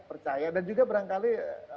percaya dan juga berangkali